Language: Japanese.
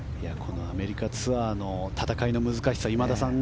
アメリカツアーの戦いの難しさは今田さん